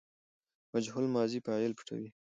مجهول ماضي فاعل پټوي.